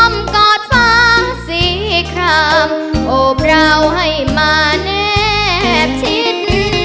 อ้อมกอดฟ้าสี่ครามโอบราวให้มาเนบชิด